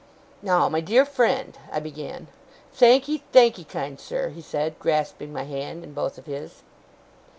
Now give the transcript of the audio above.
'Now, my dear friend 'I began. 'Thankee, thankee, kind sir,' he said, grasping my hand in both of his.